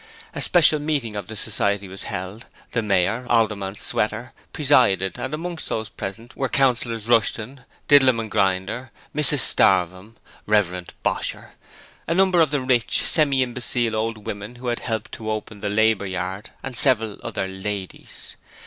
A special meeting of the society was held: the Mayor, Alderman Sweater, presided, and amongst those present were Councillors Rushton, Didlum and Grinder, Mrs Starvem, Rev. Mr Bosher, a number of the rich, semi imbecile old women who had helped to open the Labour Yard, and several other 'ladies'.